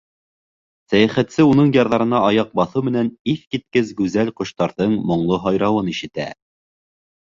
Сәйәхәтсе уның ярҙарына аяҡ баҫыу менән иҫ киткес гүзәл ҡоштарҙың моңло һайрауын ишетә.